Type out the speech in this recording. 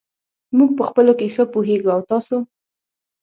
موږ په خپلو کې ښه پوهېږو. او تاسو !؟